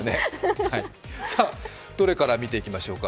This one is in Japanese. どれから見ていきましょうか？